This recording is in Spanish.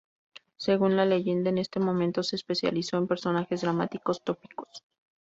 Según la leyenda, en este momento se especializó en personajes dramáticos tópicos.